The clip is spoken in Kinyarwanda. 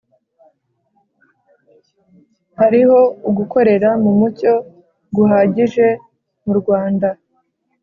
Hariho ugukorera mu mucyo guhagije mu Rwanda